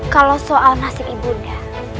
kalau soal nasib ibunda